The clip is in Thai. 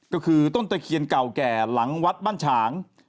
ก็คือต้นตะเคียนเก่าแก่หลังวัดบ้านฉาง